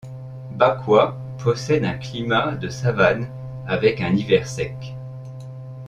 Bakwa possède un climat de savane avec hiver sec.